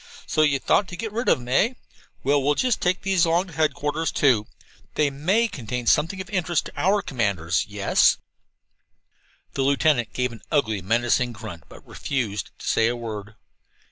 "So you thought to get rid of them, eh? Well, we'll just take these along to headquarters, too. They may contain something of interest to our commanders. Yes?" The lieutenant gave an ugly, menacing grunt, but refused to say a word.